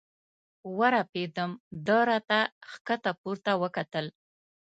ورپېدم، ده را ته ښکته پورته وکتل.